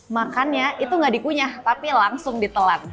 makannya itu gak dikunyah tapi langsung ditelan